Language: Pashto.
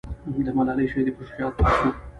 د ملالۍ شهیدې پر شجاعت بحث و.